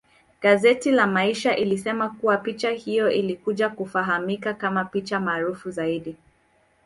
Gazeti la maisha ilisema kuwa picha hiyo ilikuja kufahamika kama picha maarufu zaidi